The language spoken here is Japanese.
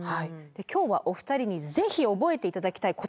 今日はお二人にぜひ覚えて頂きたい言葉があります。